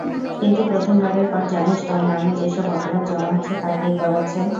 কিন্তু প্রথমবারের পর জানিস তোর নামে যেসব অপরাধ জমা হচ্ছে তা কে করাচ্ছে?